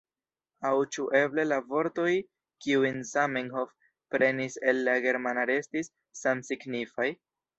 Aŭ ĉu eble la vortoj kiujn Zamenhof prenis el la germana restis samsignifaj?